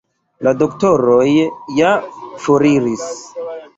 La doktoroj ja foriris.